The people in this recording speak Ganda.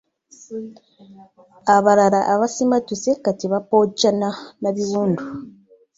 Abalala abasimattuse kati bapookya n'abiwundu.